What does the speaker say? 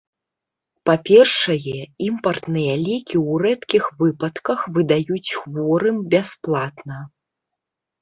Па-першае, імпартныя лекі ў рэдкіх выпадках выдаюць хворым бясплатна.